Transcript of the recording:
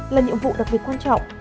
là nhiệm vụ đặc biệt quan trọng